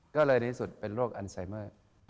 ก็เลยในที่สุดเป็นโรคอันไซเมอร์